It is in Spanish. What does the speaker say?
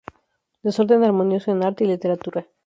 Desorden armonioso en arte y literatura".